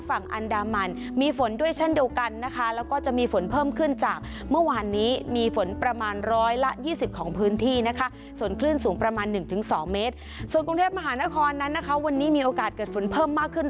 ส่วนกรุงเทพมหานครนั้นนะคะวันนี้มีโอกาสเกิดฝนเพิ่มมากขึ้น